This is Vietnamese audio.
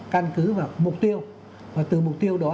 căn cứ vào mục tiêu và từ mục tiêu đó